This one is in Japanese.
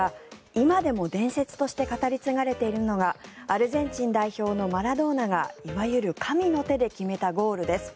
今でも伝説として語り継がれているのがアルゼンチン代表のマラドーナがいわゆる神の手で決めたゴールです。